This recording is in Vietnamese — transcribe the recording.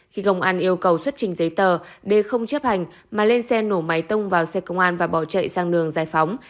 khi công an yêu cầu xuất trình giấy tờ b không chấp hành mà lên xe nổ máy tông vào xe công an và bỏ chạy sang đường giải phóng